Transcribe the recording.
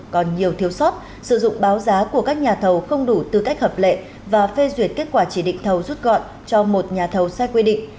còn nhiều thiếu sót sử dụng báo giá của các nhà thầu không đủ tư cách hợp lệ và phê duyệt kết quả chỉ định thầu rút gọn cho một nhà thầu sai quy định